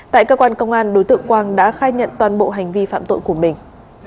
tại cơ quan công an đối tượng quang đã khai nhận toàn bộ hành vi phạm tội của mình